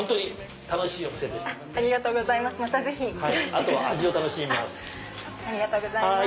あとは味を楽しみます。